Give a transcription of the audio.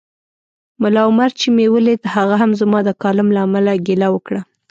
ملا عمر چي مې ولید هغه هم زما د کالم له امله ګیله وکړه